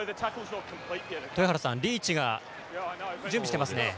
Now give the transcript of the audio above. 豊原さんリーチが準備していますね。